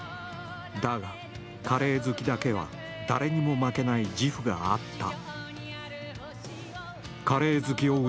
だが、カレー好きだけは誰にも負けない自負があった。